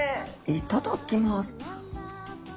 いただきます。